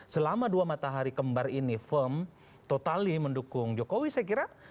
selama dua matahari kembar ini firm totali mendukung jokowi saya kira